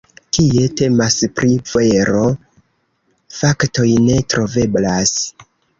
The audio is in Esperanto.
Kie temas pri vero, faktoj ne troveblas.